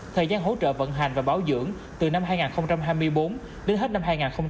thời gian hỗ trợ vận hành và bảo dưỡng từ năm hai nghìn hai mươi bốn đến hết năm hai nghìn hai mươi